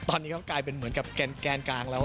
ตอนนี้ก็กลายเป็นเหมือนกับแกนกลางแล้ว